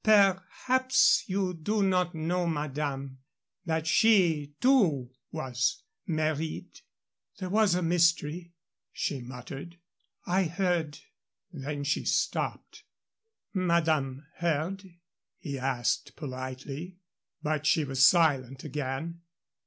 "Perhaps you do not know, madame, that she, too, was married " "There was a mystery," she muttered. "I heard " Then she stopped. "Madame heard?" he asked, politely. But she was silent again.